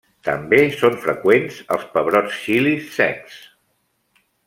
També són freqüents els pebrots xilis secs.